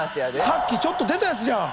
さっきちょっと出たやつじゃん！